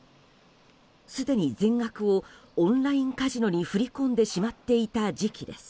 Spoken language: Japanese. すでに全額をオンラインカジノに振り込んでしまっていた時期です。